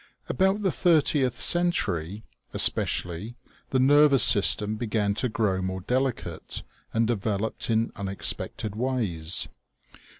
About the thirtieth century, especially, the nervous system began to grow more delicate, and developed in unexpected ways.